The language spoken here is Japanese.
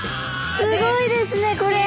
すごいですねこれ！